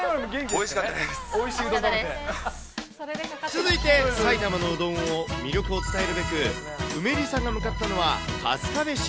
続いて埼玉のうどんの魅力を伝えるべく、うめりさが向かったのは、春日部市。